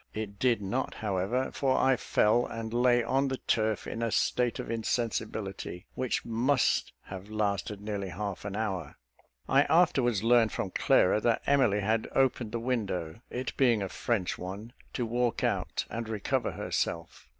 It did not, however; for I fell, and lay on the turf in a state of insensibility, which must have lasted nearly half an hour. I afterwards learned from Clara, that Emily had opened the window, it being a French one, to walk out and recover herself.